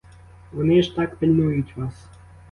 Вони ж так пильнують вас.